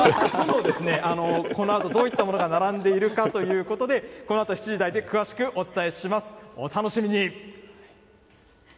このあとどういったものが並んでいるかということで、このあと７時台で詳しくお伝えします。